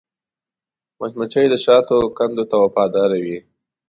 مچمچۍ د شاتو کندو ته وفاداره وي